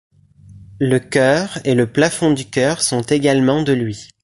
Le chœur et le plafond du chœur sont également de lui.